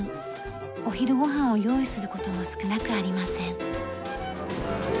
お昼ご飯を用意する事も少なくありません。